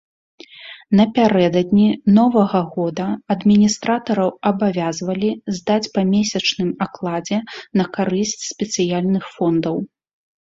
Напярэдадні новага года адміністратараў абавязвалі здаць па месячным акладзе на карысць спецыяльных фондаў.